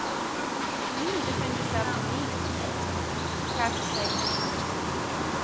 "You needn't defend yourself to ME, Tom," said his mother, proud to say it to him in his trouble.